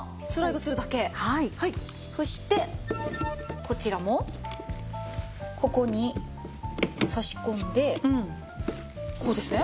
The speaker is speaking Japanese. そしてこちらもここに差し込んでこうですね。